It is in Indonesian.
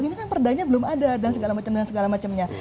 ini kan perdanya belum ada dan segala macam macamnya